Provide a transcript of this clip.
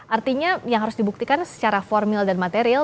artinya yang harus dibuktikan secara formil dan material